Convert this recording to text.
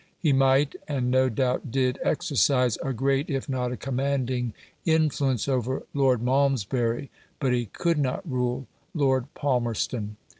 He might, and no doubt did, exercise a great, if not a commanding influence over Lord Malmesbury, but he could not rule Lord Palmerston.